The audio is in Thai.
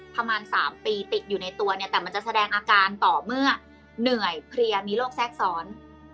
ประมาณ๓ปีติดอยู่ในตัวเนี่ยแต่มันจะแสดงอาการต่อเมื่อเหนื่อยเพลียมีโรคแทรกซ้อน